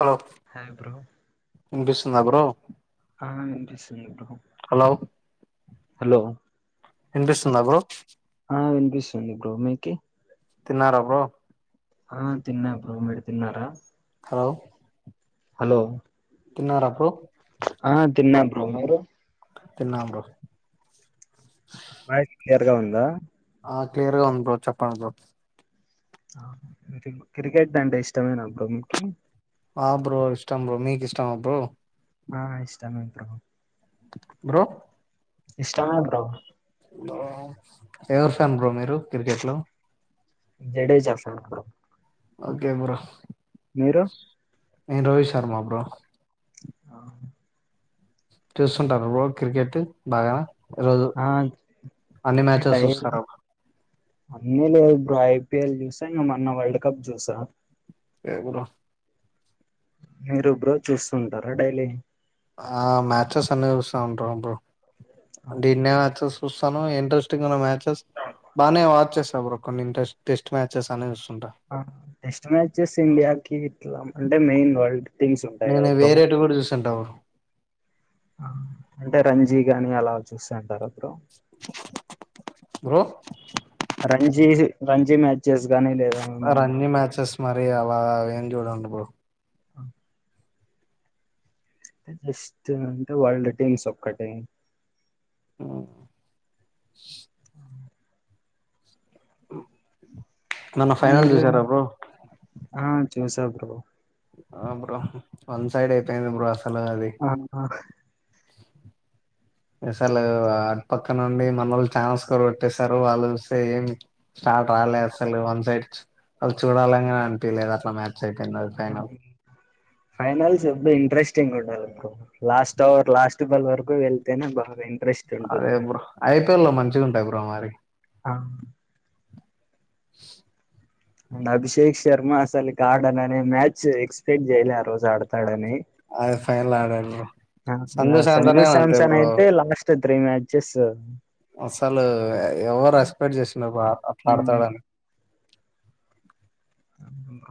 Hello hi bro వినిపిస్తుందా bro ఆ hello hello వినిపిస్తుందా బ్రో ఆ వినిపిస్తుంది బ్రో మీకీ తిన్నార [unintelligible] ఆ తిన్నా బ్రో మీరు తిన్నారా హలో హలో తిన్నార బ్రో ఆ [unintelligible] తిన్నా బ్రో వాయిస్ క్లియర్ గా ఉందా ఆ క్లియర్ గా ఉంది బ్రో చెప్పండి బ్రో కి క్రికెట్ అంటే ఇష్టమేనా బ్రో మీకి ఆ బ్రో ఇష్టం బ్రో మీకు ఇష్టమా బ్రో ఆ ఇష్టమే బ్రో బ్రో ఇష్టమే బ్రో హలో ఎవరు ఫాన్ బ్రో మీరు క్రికెట్ లో Jadeja Joseph bro okay bro మీరు నేను రోహి శర్మ బ్రో ఆ చూస్తుంటారు బ్రో క్రికెట్ బాగా రోజు అన్ని మ్యాచస్ డైలీ చూస్తార బ్ అన్నీ లేదు బ్రో ఐపీఎల్ చూసా ఇంక మొన్న వల్డ్ కప్ చూసా ఎపుడు మీరు బ్రో చూస్తుంటారా డైలీ ఆ మ్యాచెస్ అన్ని చూస్తా ఉంట బ్రో దీన్నే మ్యాచెస్ చూస్తాను ఇంట్రెస్టింగ్ ఉన్న మ్యాచెస్ బాగానే వాచ్ చేస్తా బ్రో కొన్ని ఇంట్రెస్ టెస్ట్ మ్యాచెస్ అన్ని చూస్ టెస్ట్ మ్యాచెస్ ఇండియాకి ఇట్లా అంటే మెయిన్ వోల్డ్ థింగ్స్ ఉంటాయి నేను కదా బ్రో వేరేటి కూడా చూసింటా అంటే రంజీ గాని అలా చూస్తంటర bro bro Ranji Ranji matches గానీ లేదా ఏమన్నా రంజీ మ్యాచెస్ మరి అలా అవేం చూడన్ బ్రో ఆ జస్ట్ అంటే వొల్డ్ టీంమ్స్ ఒక్కటే ఆ ఆ మొన్న ఫైనల్ మీరు చూసార బ్రో ఆ చూసా బ్రో ఆ బ్రో వన్సైడ్ ఐపేంది బ్రో అస్ ఆ ఆ అసలు అట్పక్క నుండి మనోళ్ళు ఛాన్స్ కూడా కొట్టేసారు వాళ్ళు చూస్తే ఏం స్టార్ట్ రాలేదు అసలు వన్ సైడ్ చ్ చూడాలనే అన్పీలేదు అట్లా మ్యాచ్ సెకండ్ ఫైనల్ ఫైనల్స్ ఎబ్డు ఇంట్రెస్టింగ్ ఉండదు bro last over last ball వరకు వెళ్తేనే బాగా ఇం అదే బ్రో ఐపీఎల్ లో మంచిగా ఉంటాయి బ్రో మరి ఆ అండ్ అభిషేక్ శర్మ అసలకి ఆడననే మ్యాచ్ ఎక్స్పెక్ట్ చేయలే ఆ రోజు ఆడతాడని అది ఫైనల్ ఆడారు బ్రో ఆ శాంసన్ సంజు గాడు అంతే సామ్సన్ బ్రో అయితే లాస్ట్ త్రీ మ్యాచెస్ అసలు ఎవరు ఎస్పెక్ట్ చేసండర్ బ్రో అట్లా ఆడతాడని ఉమ్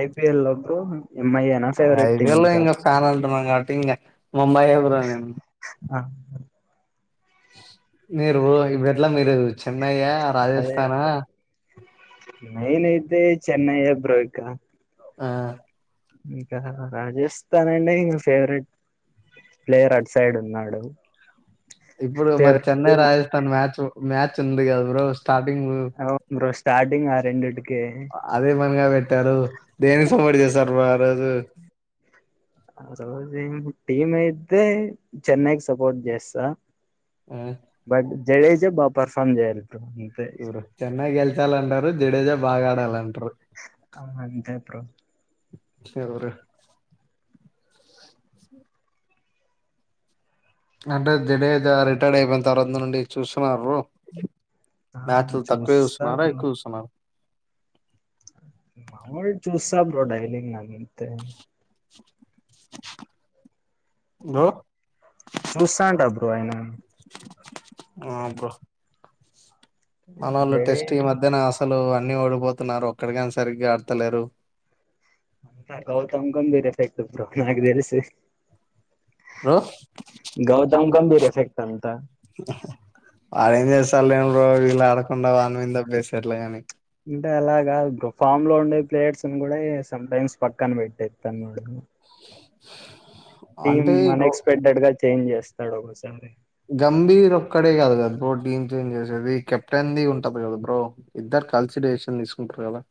ఐపిఎల్ అబ్డు ఐపియల్ ఇంగ ఫ్యాన్ అంటున్నాన్ కాబట్టి ఇంగ మొంబైయే బ్రో నేను ఆ మీరు ఇబ్డ్ఎట్ల మీరు చెన్నైయ్యా అదే రాజస్థానా మెయిన్ అయితే చెన్నై బ్రో ఇకా ఆ ఇంకా రాజస్థాన్ అండి ఫేవరెట్ ప్లేయర్ అట్ సైడ్ ఉన్నాడు ఇప్పుడు మరి favourite Chennai team Rajasthan match match ఉంది కదా బ్రోస్ స్టార్టింగ్ బ్రో స్టార్టింగ్ ఆ రెండిటికి అదే పనిగా వెట్ పెట్టారు దేనికి సపోర్ట్ చేస్తారు మరి ఆ రోజు టీం అయితే చెన్నైకి సపోర్ట్ చేస్తా ఆ జడేజ్ బా పర్ఫార్మ్ చేయాలి బ్రో అంతే చూడు చెన్న్ గెల్చాలంటారు జడేజా బా ఆడాలం అవును అంతే బ్రో సురు అంటే జడజ రిటైర్ అయిపోయిన తర్వాత నుండి చూస్తున్నారు బ్రో మ్యాచ్లు తక్కువ చూస్తా చూస్తున్నారా ఎక్కువ చూస్తున్నార మాములుగా చూస్తా బ్రో డైలింగ అంతే ఇగో చూస్తాంట బ్రో అయిన ఆ బ్రో మనోళ్ళు జడే టెస్ట్ ఈ మధ్యనే అసలు అన్ని ఓడిపోతున్నారు ఒక్కడి గాని సరిగ్గా ఆడతలేరు ఇంకా గౌతమ్ గంభీర్ ఎఫెక్ట్ బ్రో నాక్ తెలిసి బ్రో గౌత గంబీర్ ఎఫెక్ట్ అంత తన్ లే బ్రో వీల్ ఆడకుండా వాళ మీద దొబ్బేసార్లే అని అంటే అలాగాదు బ్రో ఫామ్ లో ఉండే ప్లేయర్స్ ను కూడా సమ్టైమ్స్ పక్కన పెట్టేతండ్రు బ్రో టీమ్ అంటే గో అన్ఎక్స్పెక్టెడ్ గా చేంజ్ చేస్తాడు ఒకొసారి గంభీర్ ఒక్కడే కాదు కదా బ్రో టీమ్ చేంజ్ చేసేది కెప్టెన్ ది ఉంటది కదా బ్రో ఇద్దరు కలిసి డేసిషన్ తీసుకుంటరు కదా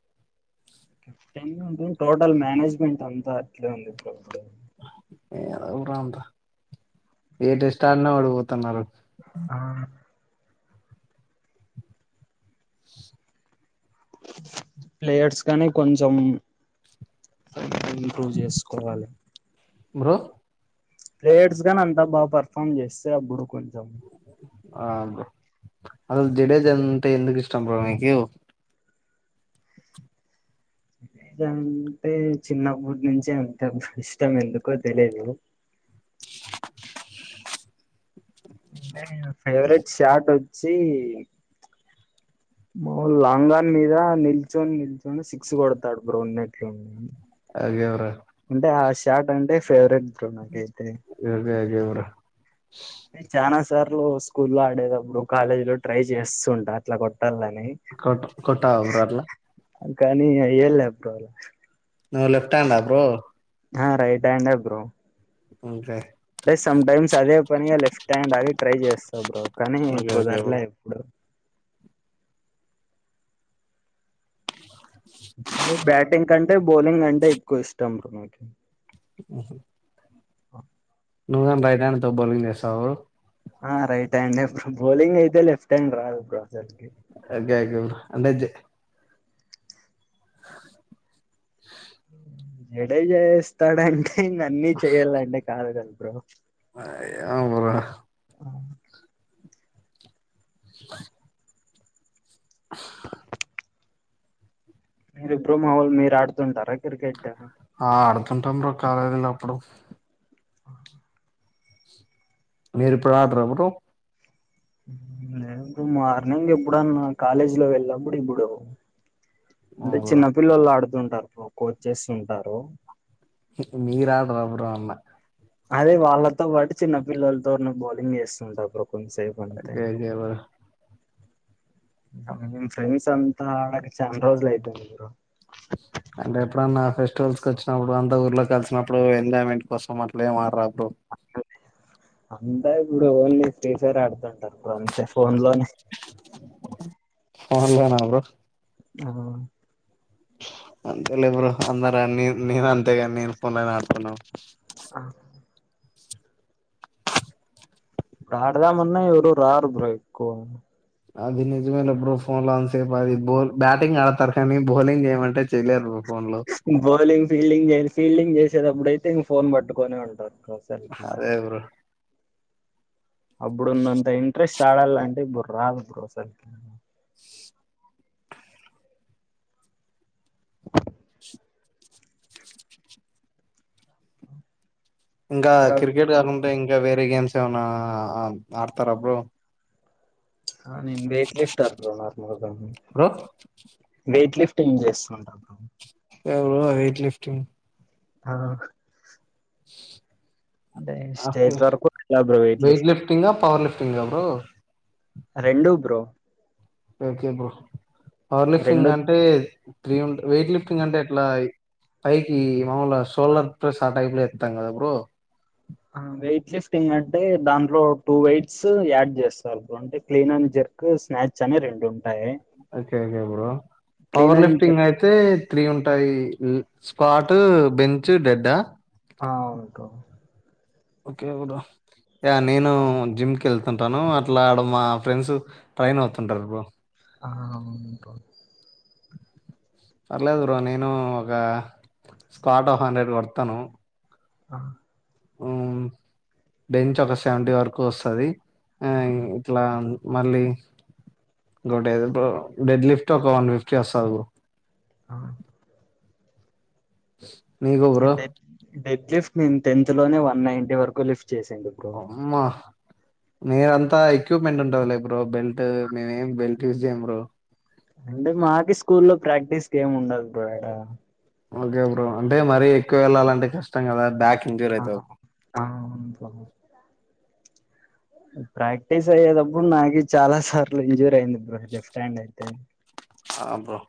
[unintelligible] టోటల్ మేనేజ్మెంట్ అంతా అట్లే ఉంది బ్రో ఇప్పుడు ఏదో బ్రో అంత ఏ టెస్ట్ ఆడిన ఓడిపోతున్నారు ఆ ప్లేయర్స్ కానీ కొంచెం ఇంప్రూవ్ చేసుకోవాలి బ్రో ప్లేయర్స్ గాని అంతా బాగా పర్ఫామ్ చేస్తే అప్పుడు కొంచెం ఆ బ్రో అసల్ జడేజ అంటే ఎందుకు ఇష్టం బ్రో నీకు అంటే చిన్నప్పటి నుంచి అంత ఇష్టం ఎందుకో తెలియదు అంటే ఫేవరెట్ షాట్ వచ్చి మాములు లాంగన్ మీద నిల్చొని నిల్చొని సిక్స్ కొడతాడు బ్రౌ ఉన్నట్లుం అ ఎవరు అంటే ఆ షాట్ అంటే ఫేవరెట్ బ్రో నాకయితే ఓకే ఓకే బ్రో నీకు చానాస్ తర్ లో స్కూల్ లో ఆడేటప్పుడు కాలేజీ లో ట్రై చేస్తుంటారు అట్లా కూడా కొట్ కొటావా బ్రో అట్ల కానీ అయ్యాల బ్రో అలా నువ్ లెఫ్ట్ హ్యాండ్ ఆ బ్రో ఆ రైట్ హ్యాండ్ ఏ బ్రో ఇంకె స్ సమ్ టైమ్స్ అదే పనిగా లెఫ్ట్ హ్యాండ్ ఆగి ట్రై చేస్తా బ్రో కానీ ఓకే ఓకే బ్రో కుదరలే ఎప్పుడు చలే బ్యాటింగ్ కంటే బౌలింగ్ కంటే ఎక్కువ ఇష్టం నాకు ఆఓహ ఓ నువ్వం రైట్ హ్యాండ్ తో బాల్లింగ్ చేస్తావు ఆ రైట్ హ్యాండ్ ఆ బ్రో బౌలింగ్ అయితే లఫ్ట్ హ్యాండ్ రాదు బ్రో అసలుకి [unintelligible] అంటే జడై చేస్తాడంటే ఇంక అన్ని చేయాలంటే కాదు కలు బ్రో అ అరా బ మీరు ఇప్పు మా వాల్ మీరు ఆడుతుంటారా క్రికెట్ [unintelligible] కాలేజీలో అప్పుడు మీరు ఇప్పుడు అడ్ర ఎప్పురు ే మార్నింగా ఎప్పుడున్న కాలేజీ లో వెళ్ళప్పుడు ఇప్పుడు ఆ అంటే బ్రో చిన్నపిల్లలు ఆడుతుంటారు ఇ కోచ్చేస్తు ఉంటారు మీరాడు అపురం అమ్మ అదే వాళ్ళతో పాటు చిన్న పిల్లలతో బౌలింగ్ చేస్తుంటారు కొన్స బనత ని ఓకే ఓకే బ్రో ఫ్రెండ్స్ అంతా ఆడ చంద రోజ్ల అయితే మీరు అ అంటే ఎప్పుడన్నా ఫెస్టివల్స్ క వచ్చినప్పుడు అంత ఊర్లోకి కలిసినప్పుడు ఎంాయ్ంట్ కోసం అట్లా ఏ మడరా ర అంతే ఇప్పుడు ఓన్లీ స్షర్ ఆడుతుంటారు ఇప్పుడు అంతే ఫోన్ లో ఆన్లైన్ ఆ బ్రో ఆ అంతేలే బ్రో అందారా న నన్ అంతేగా నను [unintelligible] ఆడుతున్నా ఇప్పుడు ఆడదా ఉన్న ఎ రారు బ్రో ఎక్కువా అది నిజమేప్పు ఫోన్ న్ సేపు అది బల్ బ్యా బటింగ్ ఆడతారు కానీ బౌలింగ్ చేయమంటే చెయలేరు బౌలింగ్ ఫీల్డింగ్ చే ఫీల్డింగ్ చేసేటప్పుడు అయితే ఇం ఫోన్ పట్టుకొనే ఉంటారు బ్రో అసలుకి అదే బ్రో అప్పుడు ఉన్నంత ఇంట్రెస్ట్ చడల్లో అంటే ఇ బర రాదు బోసలుకి ఇంకా క్రికెట్ కాకుంటే ఇంకా వేరే గేమ్స్ ఏమైనా ఆడతారు బ్రో నేను వెయిట్ లిఫ్ట్ అర్ నార్మల్ బ్రో వెయిట్ లిఫ్ట్ ఏం చేస్తుంటప్పుడు ఎవ వెయిట్ లిఫ్టింగ్ ఆ అంటే ఓకే స్టేజ్ వరకు బ్రో వెయిట్ లిఫ్ట్ంగ్ లిఫ్టింగా పవర్ లిఫ్టింగా బ్రో రెండూ బ్రో ఓకే బ్రో రెండు కాలిఫ్యంగ్ అంటే త్రీ వెయిట్ లిఫ్టింగ్ అంటే ఎట్లా పైకి మాములా ఆ సోలర్ పస్ ఆ టైప్లే ఎతాం కదా బో వెయిట్ లిఫ్టింగ్ అంటే దాంట్లో టూ వెయిట్స్ యాడ్ చేస్తారు అంటే క్లీన్ అని జరుంది స్నాక్స్ అనే రెండు ఓకే ఓకే బప్పుడు clean power and lifting jerk అయితే తీ ఉంటాయి స్పాట్ బెంచ్ డెడ్డ ఆ ఉంటో ఓకే కదా యా నేను జిమ్ కెళ్తుంటాను అట్ల ఆడ మా ఫ్రెండ్స్ ట్రైన్ అవుతుంటారు బ్రో ఆంతో పర్లేదు బ్రో నేను ఒక స్క్వాట్ ఆఫ్ హండ్రెడ్ కొడతాను. ఆ మ్ బెంచ్ ఒక సెవెంటీ వరకు వస్తది. ఆ అవును. ఇట్లా మళ్ళీ ఒక ఇంకోటేది బ్రో డెడ్ లిఫ్ట్ ఒక వన్ ఫిఫ్టీ వస్తది బ్రో. ఆ నీకు బ్రో డెడ్, డెడ్ లిఫ్ట్ నేను టెన్త్ లోనే వన్ నైన్టీ వరకు లిఫ్ట్ చేసింది బ్రో. మీ అంతా ఎక్విప్మెంట్ ఉంటది లే బ్రో బెల్ట్ మేమేం బెల్ట్ యూస్ చేయమ్ బ్రో. అంటే మాకి స్కూల్ లో ప్రాక్టీస్కి ఏమి ఉండదు బ్రో యాడ. Okay bro. అంటే మరీ ఎక్కువ ఎళ్ళాలంటే కష్టం కదా! బ్యాక్ ఇంజూర్ ఆ అయితది అవును బ్రో ప్రాక్టీస్ అయ్యేటప్పుడు నాకి చాలా సార్లు ఇంజుర్ అయింది బ్రో. లెఫ్ట్ హ్యాండ్ అయితే, ఆ బ్రో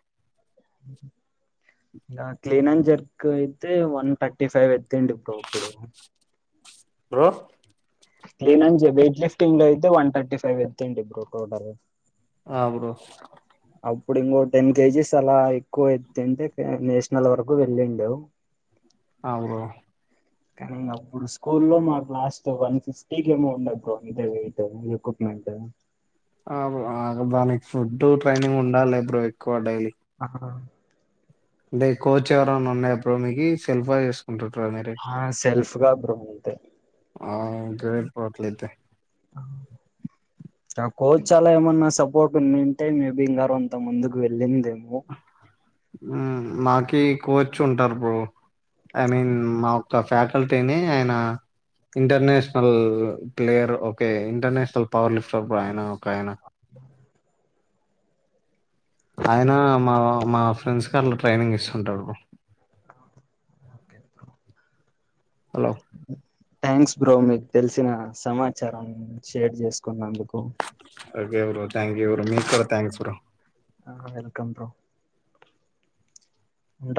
ఇలా క్లీన్ అండ్ జర్క్ అయితే, వన్ థర్టీ ఫైవ్ ఎత్తింటి బ్రో అప్పుడు. బ్రో క్లీన్ అన్ జ వెయిట్ లిఫ్టింగ్ లో అయితే వన్ థర్టీ ఫైవ్ ఎత్తింటి బ్రో క్రొటరు అ బ్రో అప్పుడు ఇంకో టెన్ కేజీస్ అలా ఎక్కువ ఎత్తింటే నేషనల్ వరకు వెళ్ళిండు. అ బ్రో కానీ ఇంగ అప్పుడు స్కూల్లో మాకు లాస్ట్, వన్ ఫిఫ్టీకి ఏమో ఉండ అంతే వెయిట్ ఎక్విప్ మెంట్ ఆ బో ఆ దానికి ఫుడ్ ట్రైనింగ్ ఉండాలే బ్రో ఎక్ ఆహా అంటే కోచ్ ఎవరనా ఉన్నా బ్రో మీకి, సెల్ఫ్ గా చేసుకుంటుంట్రా మీరె కిరాక్ బ్రో నువ్వైతే ఆ ఇంటర్నెట్ బ్రో అట్లయితే. కోచ్ అలా ఏమన్న సపోర్ట్ ఉన్నింటే మేబి ఇంగా రోంత ముందుకు వెళ్లిందేమో. నాకి కోచ్ ఉంటారు బ్రో ఐ మీన్ మా యొక్క ఫ్యాకల్టీనె ఆయన international player okay international power lifter అబ్బ ఆయన ఒకాయన. ఆయన మా మా ఫ్రెండ్స్ కి అట్లా ట్రైనింగ్ ఇస్తుంటాడు bro. Okay bro hello thanks bro మీకు తెలిసిన సమాచారం షేర్ చేసుకున్నందుకు. Okay bro. Thank you bro. మీకు కూడ థాంక్స్ బ్రో. ఆ వెల్కమ్ బ్రో ఉంటా